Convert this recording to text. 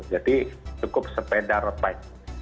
jadi cukup sepeda road bike